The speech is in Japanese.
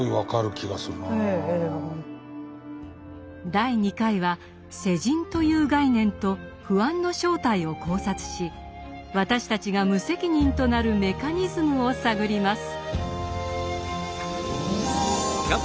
第２回は「世人」という概念と「不安」の正体を考察し私たちが無責任となるメカニズムを探ります。